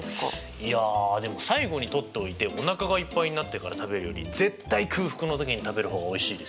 いやでも最後に取っておいておなかがいっぱいになってから食べるより絶対空腹の時に食べる方がおいしいですよ。